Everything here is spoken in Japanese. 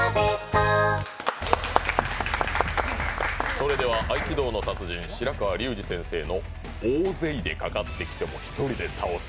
それでは合気道の達人、白川竜次先生の大勢でかかってきても１人で倒す！